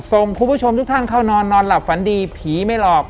คุณผู้ชมทุกท่านเข้านอนนอนหลับฝันดีผีไม่หลอก